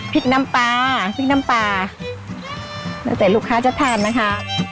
น้ำปลาพริกน้ำปลาแล้วแต่ลูกค้าจะทานนะคะ